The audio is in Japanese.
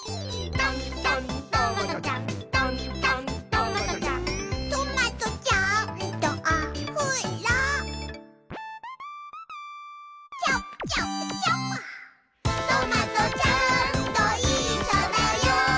「とんとんトマトちゃん」「とんとんトマトちゃん」「トマトちゃんとおふろチャプ・チャプ・チャプ」「トマトちゃんといっしょだよ」